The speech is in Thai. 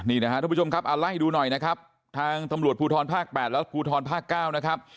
นี่นะครับทุกผู้ชมครับไล่ดูหน่อยนะครับทางตำรวจภูทรภาค๘และภูทรภาค๙นะครับ